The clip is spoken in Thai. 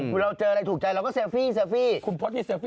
เวลาเจออะไรถูกใจเราก็เซอร์ฟี่